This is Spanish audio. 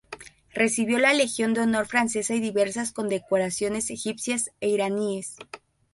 Recibió la Legión de Honor francesa y diversas condecoraciones egipcias e iraníes.